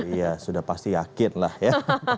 iya sudah pasti yakin lah ya